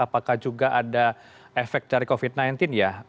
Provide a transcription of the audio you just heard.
apakah juga ada efek dari covid sembilan belas ya